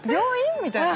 みたいな。